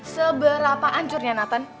seberapa ancurnya nathan